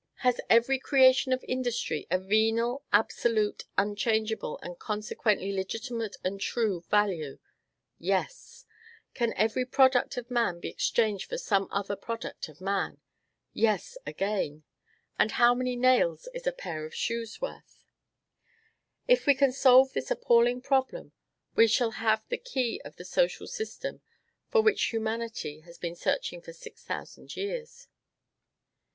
Has every creation of industry a venal, absolute, unchangeable, and consequently legitimate and true value? Yes. Can every product of man be exchanged for some other product of man? Yes, again. How many nails is a pair of shoes worth? If we can solve this appalling problem, we shall have the key of the social system for which humanity has been searching for six thousand years.